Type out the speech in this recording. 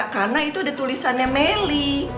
karena itu ada tulisannya melly